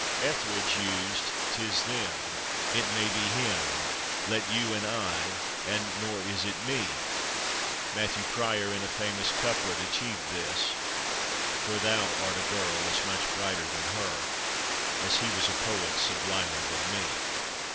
Etheredge used "'tis /them/," "it may be /him/," "let you and /I/" and "nor is it /me/"; Matthew Prior, in a famous couplet, achieved this: [Pg220] For thou art a girl as much brighter than /her/. As he was a poet sublimer than /me